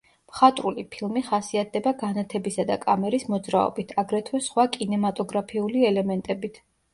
მხატვრული ფილმი ხასიათდება განათებისა და კამერის მოძრაობით, აგრეთვე სხვა კინემატოგრაფიული ელემენტებით.